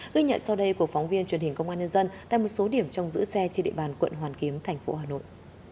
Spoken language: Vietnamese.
ghi nhận sau đây của phóng viên truyền hình công an nhân dân tại một số điểm trong giữ xe trên địa bàn quận hoàn kiếm thành phố hà nội